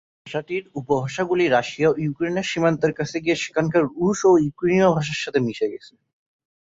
ভাষাটির উপভাষাগুলি রাশিয়া ও ইউক্রেনের সীমান্তের কাছে গিয়ে সেখানকার রুশ ও ইউক্রেনীয় ভাষার সাথে মিলে গেছে।